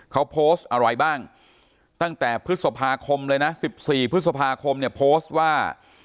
เขาโพสต์อะไรบ้างตั้งแต่พฤษภาคมเลยนะ๑๔พฤษภาคมเนี่ยโพสต์ว่า